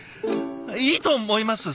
いいと思います